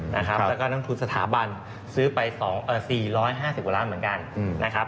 แล้วก็นักทุนสถาบันซื้อไป๔๕๐กว่าล้านเหมือนกันนะครับ